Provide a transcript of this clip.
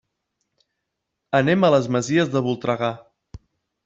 Anem a les Masies de Voltregà.